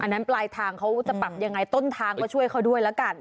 อันนั้นปลายทางเขาจะปรับยังไงต้นทางก็ช่วยเขาด้วยแล้วกัน